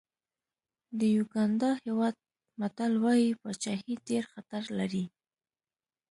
د یوګانډا هېواد متل وایي پاچاهي ډېر خطر لري.